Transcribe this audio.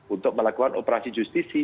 untuk melakukan operasi justisi